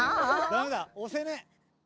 ダメだおせねえ！